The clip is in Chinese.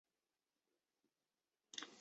金德贤出生于平安南道。